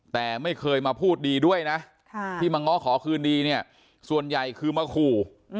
แต่ไม่เคยมาพูดดีด้วยนะที่มาง้อขอคืนดีเนี่ยส่วนใหญ่คือมาขู่